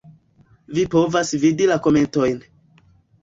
Vi povas vidi la komentojn.